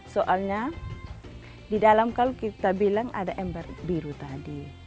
soalnya di dalam kalau kita bilang ada ember biru tadi